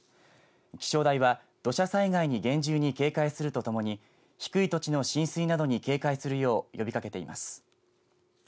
気象台は土砂災害に厳重に警戒するとともに低い土地の浸水などに警戒するよう呼びかけています。